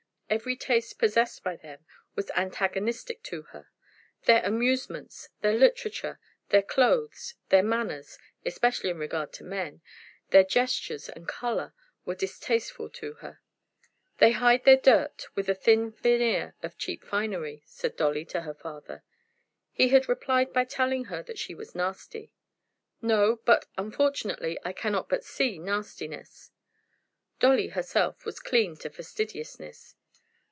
Every taste possessed by them was antagonistic to her. Their amusements, their literature, their clothes, their manners, especially in regard to men, their gestures and color, were distasteful to her. "They hide their dirt with a thin veneer of cheap finery," said Dolly to her father. He had replied by telling her that she was nasty. "No; but, unfortunately, I cannot but see nastiness." Dolly herself was clean to fastidiousness.